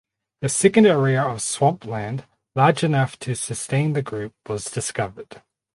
The second area of swampland large enough to sustain the group was discovered.